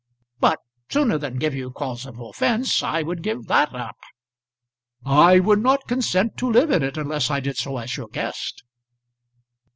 "But sooner than give you cause of offence I would give that up." "I would not consent to live in it unless I did so as your guest."